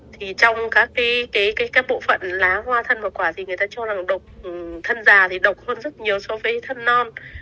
thì trong các bộ phận lá hoa thân và quả thì người ta cho rằng độc thân già thì độc hơn rất nhiều so với thân non